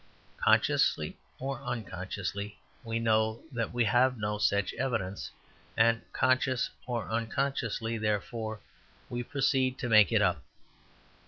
Consciously or unconsciously, we know that we have no such evidence, and consciously or unconsciously, therefore, we proceed to make it up.